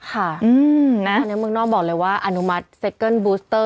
อันนี้เมืองนอกบอกเลยว่าอนุมัติเซ็กเกิ้ลบูสเตอร์